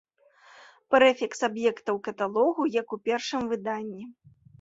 Прэфікс аб'ектаў каталогу як у першым выданні.